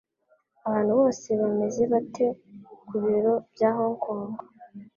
Abantu bose bameze bate ku biro bya Hong Kong?